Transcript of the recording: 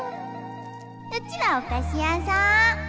うちはお菓子屋さん。